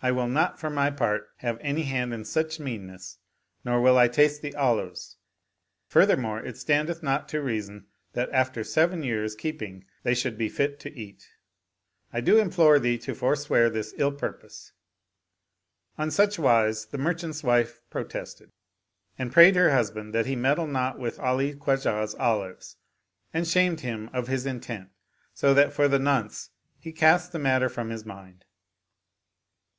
I will not for my part have any hand in such meanness nor will I taste the olives ; furthermore, it standeth not to reason that after seven years' keeping they should be fit to eat. I do implore thee to for swear, this ill purpose." On such wise the merchant's wife protested and prayed her husband that he meddle not with Ali Khwajah's olives, and shamed him of his intent so that for the nonce he cast the matter from his mind.